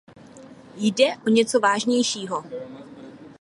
Jde o něco vážnějšího.